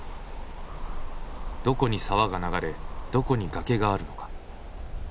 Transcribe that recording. どこに沢が流れどこに崖があるのか。